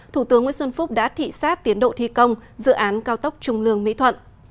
thủ tướng nguyễn xuân phúc đã thị xát tiến độ thi công dự án cao tốc trung lương mỹ thuận